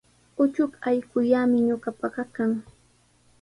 Uchuk allqullami ñuqapaqa kan.